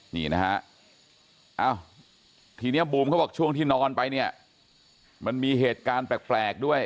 นี่นะฮะทีนี้บูมเขาบอกช่วงที่นอนไปเนี่ยมันมีเหตุการณ์แปลกด้วย